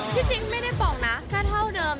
จริงไม่ได้ป่องนะแค่เท่าเดิม